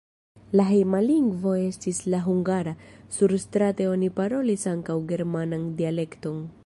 La hejma lingvo estis la hungara, surstrate oni parolis ankaŭ germanan dialekton.